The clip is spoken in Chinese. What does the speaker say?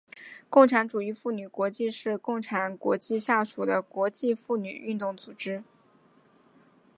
共产主义妇女国际是共产国际下属的国际妇女运动组织。